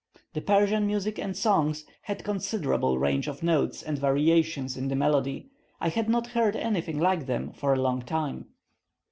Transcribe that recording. The Persian music and songs had considerable range of notes and variations in the melody; I had not heard anything like them for a long time.